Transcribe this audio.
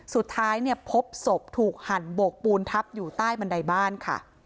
สุดท้ายเนี่ยพบศพถูกหั่นโบกปูนทับอยู่ใต้บันไดบ้านค่ะ